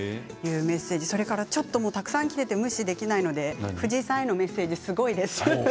それからたくさん来ていて無視できないので藤井さんへのメッセージがすごいです。